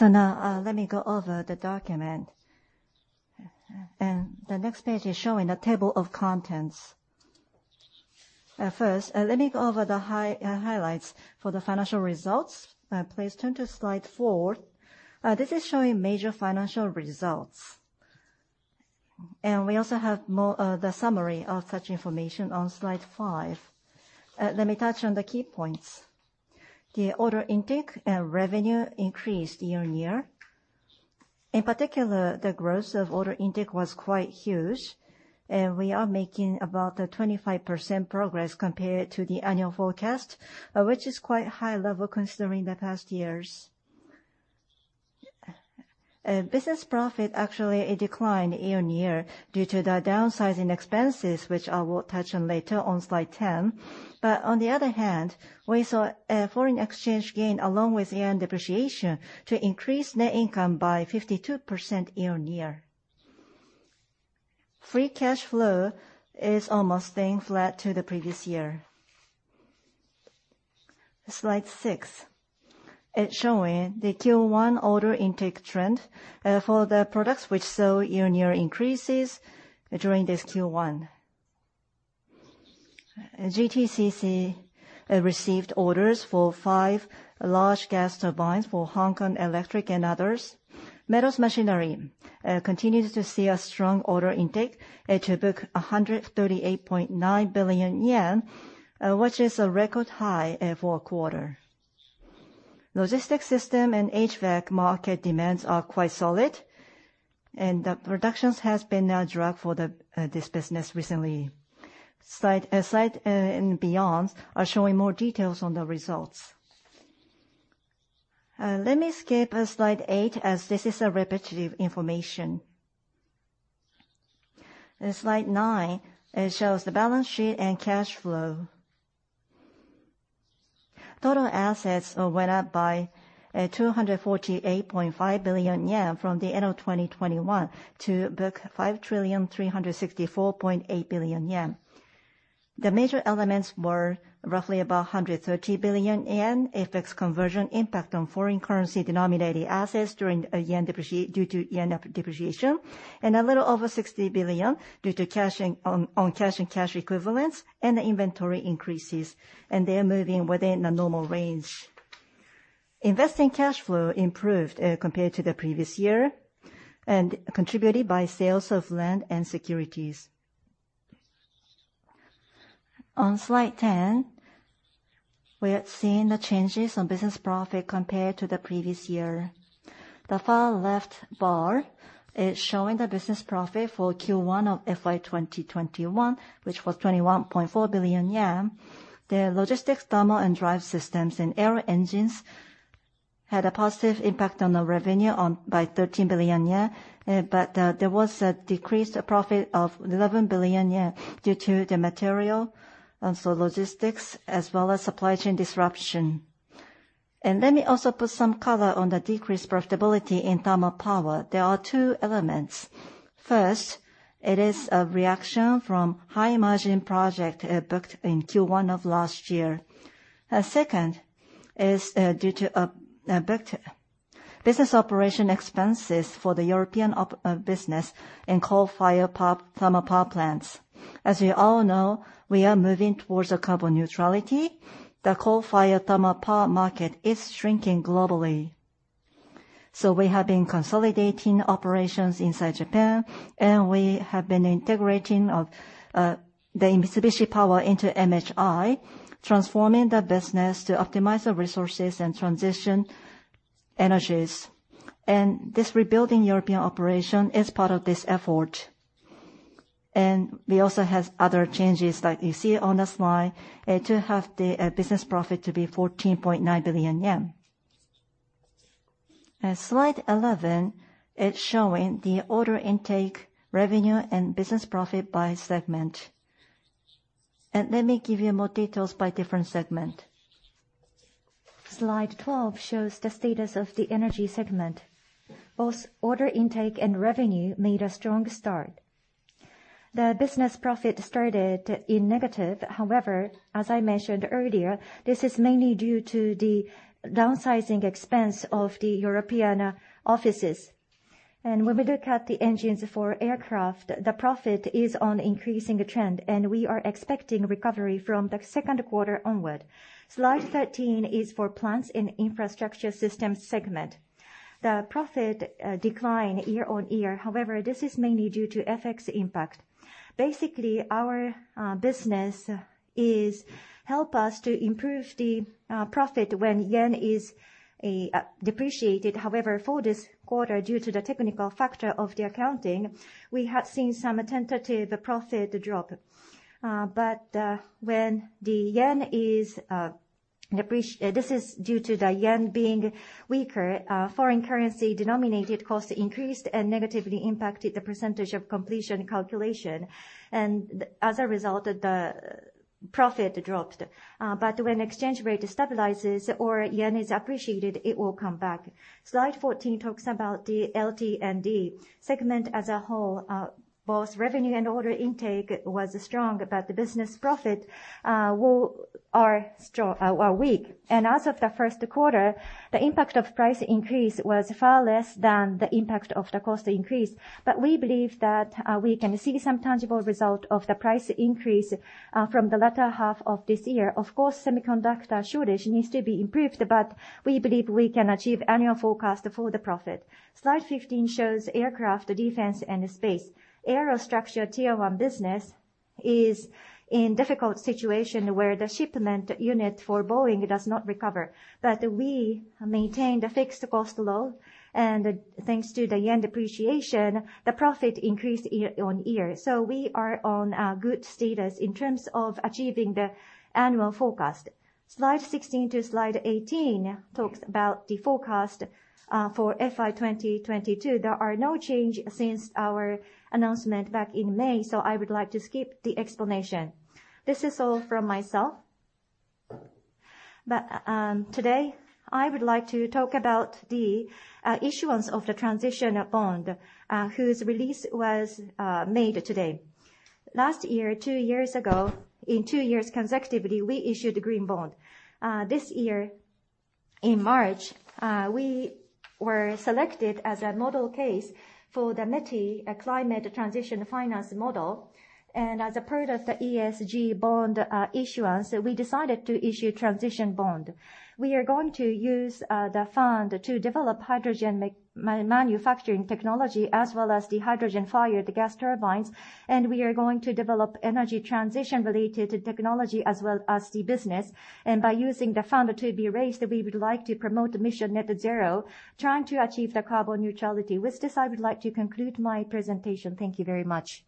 Let me go over the document. The next page is showing the table of contents. First, let me go over the highlights for the financial results. Please turn to Slide 4. This is showing major financial results. We also have more of the summary of such information on Slide 5. Let me touch on the key points. The order intake and revenue increased year-over-year. In particular, the growth of order intake was quite huge, and we are making about a 25% progress compared to the annual forecast, which is quite high level considering the past years. Business profit actually it declined year-over-year due to the downsizing expenses, which I will touch on later on Slide 10. On the other hand, we saw a foreign exchange gain along with yen depreciation to increase net income by 52% year-on-year. Free cash flow is almost staying flat to the previous year. Slide 6. It's showing the Q1 order intake trend for the products which saw year-on-year increases during this Q1. GTCC received orders for 5 large gas turbines for The Hongkong Electric Company and others. Metals Machinery continues to see a strong order intake to book 138.9 billion yen, which is a record high for a quarter. Logistics system and HVAC market demands are quite solid, and the productions has been a driver for this business recently. Slides and beyond are showing more details on the results. Let me skip Slide 8 as this is a repetitive information. Slide 9, it shows the balance sheet and cash flow. Total assets went up by 248.5 billion yen from the end of 2021 to book 5,364.8 billion yen. The major elements were roughly about 130 billion yen, FX conversion impact on foreign currency denominated assets due to yen depreciation. A little over 60 billion due to cash and cash equivalents and the inventory increases, and they are moving within a normal range. Investing cash flow improved compared to the previous year, and contributed by sales of land and securities. On Slide 10, we are seeing the changes in business profit compared to the previous year. The far left bar is showing the business profit for Q1 of FY 2021, which was 21.4 billion yen. The Logistics, Thermal & Drive Systems and aero engines had a positive impact on the revenue by 13 billion yen. There was a decreased profit of 11 billion yen due to the material and logistics as well as supply chain disruption. Let me also put some color on the decreased profitability in thermal power. There are two elements. First, it is a reaction from high-margin project booked in Q1 of last year. Second is due to booked business operation expenses for the European ops business in coal-fired thermal power plants. As we all know, we are moving towards carbon neutrality. The coal-fired thermal power market is shrinking globally. We have been consolidating operations inside Japan, and we have been integrating the Mitsubishi Power into MHI, transforming the business to optimize the resources and transition energies. This rebuilding European operation is part of this effort. We also have other changes that you see on the slide to have the business profit to be 14.9 billion yen. Slide 11 is showing the order intake, revenue, and business profit by segment. Let me give you more details by different segment. Slide 12 shows the status of the energy segment. Both order intake and revenue made a strong start. The business profit started in negative. However, as I mentioned earlier, this is mainly due to the downsizing expense of the European offices. When we look at the engines for aircraft, the profit is on increasing trend, and we are expecting recovery from the Q2 onward. Slide 13 is for Plants & Infrastructure Systems segment. The profit declined year-on-year. However, this is mainly due to FX impact. Basically, our business helps us to improve the profit when yen is depreciated. However, for this quarter, due to the technical factor of the accounting, we have seen some tentative profit drop. This is due to the yen being weaker. Foreign currency denominated cost increased and negatively impacted the percentage-of-completion calculation. Profit dropped. When exchange rate stabilizes or yen is appreciated, it will come back. Slide 14 talks about the LT&D segment as a whole. Both revenue and order intake was strong, but the business profit are weak. As of the Q1, the impact of price increase was far less than the impact of the cost increase. We believe that we can see some tangible result of the price increase from the latter half of this year. Of course, semiconductor shortage needs to be improved, but we believe we can achieve annual forecast for the profit. Slide 15 shows Aircraft, Defense & Space. Aerostructure tier one business is in difficult situation where the shipment unit for Boeing does not recover. We maintained fixed costs low, and thanks to the yen depreciation, the profit increased year-on-year. We are on a good status in terms of achieving the annual forecast. Slides 16 to 18 talk about the forecast for FY 2022. There are no changes since our announcement back in May, so I would like to skip the explanation. This is all from myself. Today I would like to talk about the issuance of the transition bond, whose release was made today. Last year, two years ago, in two years consecutively, we issued the green bond. This year in March, we were selected as a model case for the METI Climate Transition Finance model. As a part of the ESG bond issuance, we decided to issue transition bond. We are going to use the fund to develop hydrogen manufacturing technology as well as the hydrogen-fired gas turbines. We are going to develop energy transition related technology as well as the business. By using the fund to be raised, we would like to promote emission net zero, trying to achieve the carbon neutrality. With this, I would like to conclude my presentation. Thank you very much.